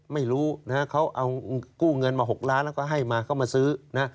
ไม่รู้นะฮะเขาเอากู้เงินมา๖ล้านแล้วก็ให้มาเขามาซื้อนะ